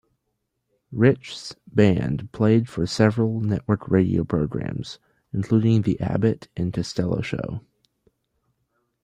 Rich's band played for several network radio programs, including The Abbott and Costello Show.